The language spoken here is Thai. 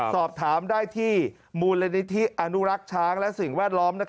สอบถามได้ที่มูลนิธิอนุรักษ์ช้างและสิ่งแวดล้อม